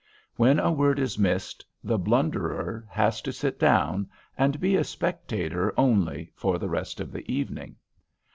When a word is missed, the blunderer has to sit down, and be a spectator only for the rest of the evening.